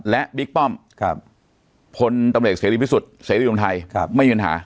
และบิ๊กป้อมผลตำเด็กเสร็จสุดเสร็จรวมไทยไม่มีปัญหา